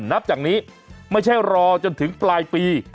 นับจากนี้ไม่ใช่รอจนถึงปลายปี